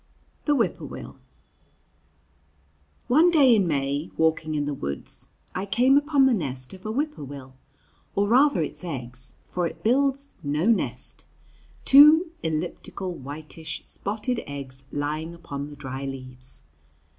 THE WHIP POOR WILL One day in May, walking in the woods, I came upon the nest of a whip poor will, or rather its eggs, for it builds no nest, two elliptical whitish spotted eggs lying upon the dry leaves.